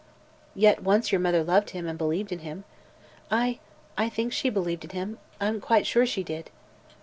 "Yet once your mother loved him, and believed in him." "I I think she believed in him; I'm quite sure she did."